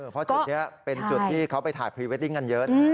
เพราะจุดนี้เป็นจุดที่เขาไปถ่ายพรีเวดดิ้งกันเยอะ